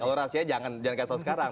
oh rahasia jangan kaya soal sekarang